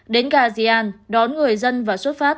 đến gà zian đón người dân và xuất phát